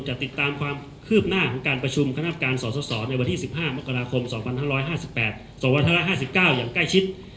จะติดตามความคืบหน้าของการประชุมคณะการสสในวันที่๑๕มกราคม๒๕๕๘๒๕๕๙อย่างใกล้ชิด